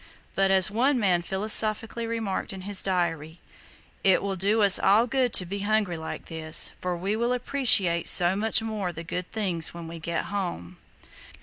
But, as one man philosophically remarked in his diary: "It will do us all good to be hungry like this, for we will appreciate so much more the good things when we get home."